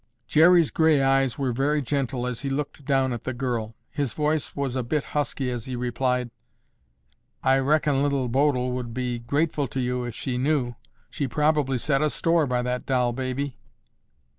Jerry's gray eyes were very gentle as he looked down at the girl. His voice was a bit husky as he replied, "I reckon Little Bodil would be grateful to you if she knew. She probably set a store by that doll baby."